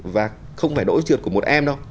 và không phải đỗ trượt của một em đâu